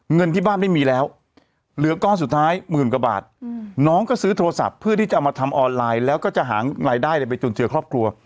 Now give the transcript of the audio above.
เงินที่บ้านไม่มีแล้วเหลือก้อนสุดท้ายหมื่นกว่าบาทน้องก็ซื้อโทรศัพท์เพื่อที่จะเอามาทำออนไลน์แล้วก็จะหารายได้ไปจุนเจือครอบครัว